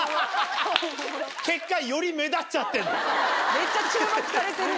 めっちゃ注目されてるよ。